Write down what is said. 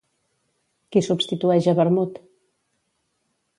Qui substitueix a Bermud?